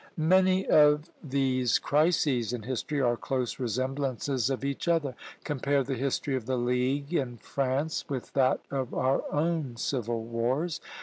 Many of these crises in history are close resemblances of each other. Compare the history of "The League" in France with that of our own civil wars.